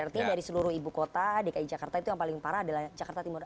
artinya dari seluruh ibu kota dki jakarta itu yang paling parah adalah jakarta timur